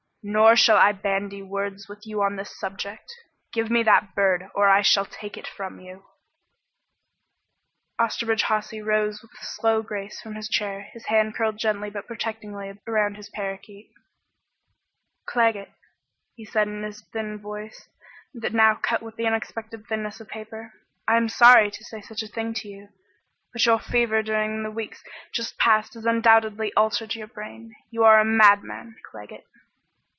Nor shall I bandy words with you on this subject. Give me that bird, or I shall take it from you!" Osterbridge Hawsey rose with a slow grace from his chair, his hand curled gently but protectingly around his parakeet. "Claggett," he said in his thin voice that cut now with the unexpected thinness of paper, "I am sorry to say such a thing to you, but your fever during the weeks just past has undoubtedly altered your brain. You are a madman, Claggett."